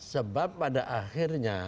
sebab pada akhirnya